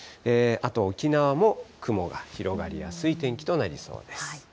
あと沖縄も雲が広がりやすい天気となりそうです。